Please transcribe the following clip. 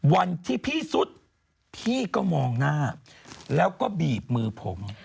วันที่พี่สุดพี่ก็มองหน้าแล้วก็บีบมือผม